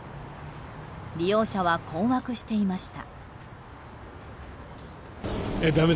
利用者は困惑していました。